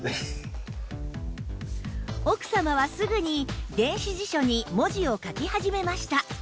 奥様はすぐに電子辞書に文字を書き始めました